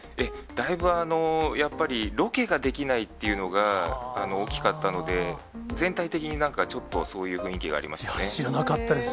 だいぶやっぱり、ロケができないっていうのが大きかったので、全体的になんかちょっと、そうい知らなかったです。